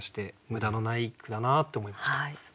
無駄のない一句だなと思いました。